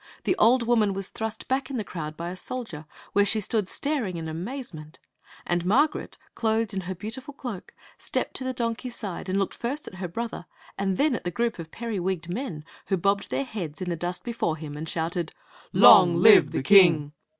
The old woman was thrust back in the crowd by a soldier, where she stood staring in amazement, and Margaret, clothed in her beautiful cloak, stepped to the donkey's side and looked first at her brother and then at the group of periwigged men, who bobbed their heads in the dust before him and shouted: "Long live the king!"